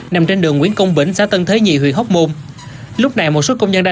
nằm trên đường nguyễn công bỉnh xã tân thế nhị huyện hóc môn